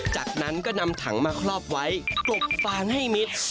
จากนั้นก็นำถังมาครอบไว้ปลุกฟางให้มิด